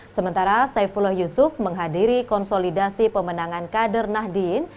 sementara saifullah yusuf menghadiri konsolidasi pemenangan kader nahdien